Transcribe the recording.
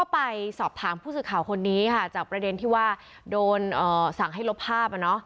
ไปสอบถามผู้สื่อข่าวคนนี้ค่ะจากประเด็นที่ว่าโดนสั่งให้ลบภาพ